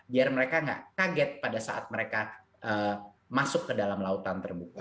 biar mereka nggak kaget pada saat mereka masuk ke dalam lautan terbuka